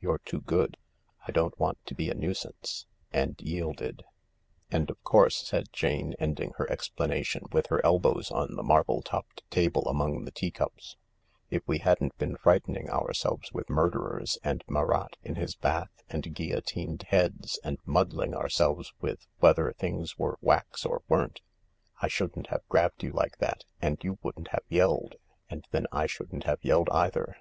You're too good. I don't want to be a nuisance ..." and yielded. " And of course," said Jane, ending her explanation with her elbows on the marble topped table among the tea cups f "if we hadn't been frightening ourselves with murderers, and Marat in his bath, and guillotined heads, and muddling ourselves with whether things were wax or weren't, I shouldn't have grabbed you like that and you wouldn't have yellecfo and then I shouldn't have yelled either.